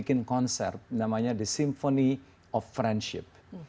yang ini adalah konser yang diadakan oleh the symphony of friendship